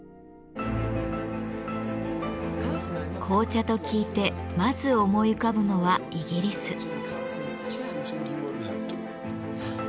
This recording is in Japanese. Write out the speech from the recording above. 紅茶と聞いてまず思い浮かぶのはイギリス。